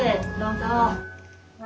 どうぞ。